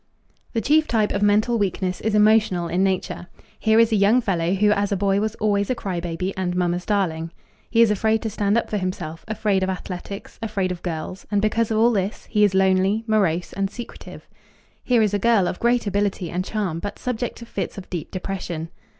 The chief type of mental weakness is emotional in nature. Here is a young fellow who as a boy was always a cry baby and mamma's darling. He is afraid to stand up for himself, afraid of athletics, afraid of girls; and, because of all this, he is lonely, morose, and secretive. Here is a girl of great ability and charm but subject to fits of deep depression.